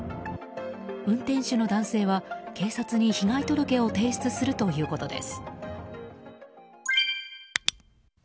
運転手の男性は警察に被害届を提出するということです。